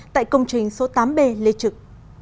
tại công trình số tám b lê trực